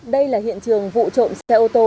đây là hiện trường vụ trộm xe ô tô